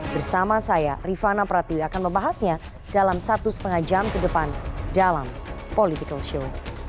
bersama saya rifana pratiwi akan membahasnya dalam satu setengah jam ke depan dalam political show